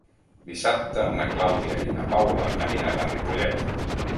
Dissabte na Clàudia i na Paula aniran a Ripollet.